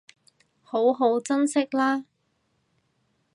好好珍惜喇